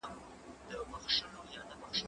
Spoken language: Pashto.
زه بازار ته تللی دی؟!